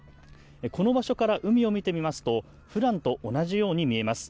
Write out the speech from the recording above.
この場所から海を見てみますと、ふだんと同じように見えます。